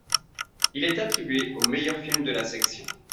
Il est attribué au meilleur film de la section.